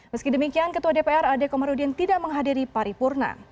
meski demikian ketua dpr adekomarudin tidak menghadiri paripurna